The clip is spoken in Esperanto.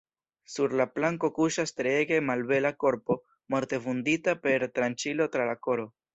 Sur la planko kuŝas treege malbela korpo, morte vundita per tranĉilo tra la koro.